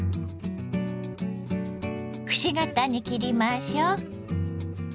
くし形に切りましょう。